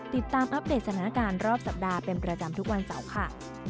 อัปเดตสถานการณ์รอบสัปดาห์เป็นประจำทุกวันเสาร์ค่ะ